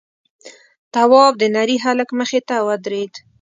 تواب د نري هلک مخې ته ودرېد: